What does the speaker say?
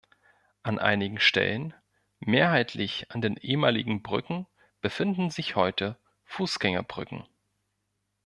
An einigen Stellen, mehrheitlich an den ehemaligen Brücken befinden sich heute Fußgängerbrücken.